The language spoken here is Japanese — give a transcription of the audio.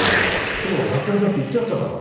今日は学会だって言ってあっただろ。